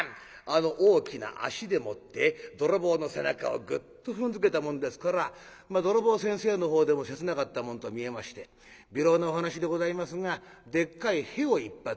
あの大きな足でもって泥棒の背中をグッと踏んづけたもんですから泥棒先生のほうでも切なかったもんと見えましてびろうなお話でございますがでっかい屁を一発。